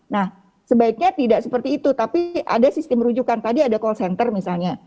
nah sebaiknya tidak seperti itu tapi ada sistem rujukan tadi ada call center misalnya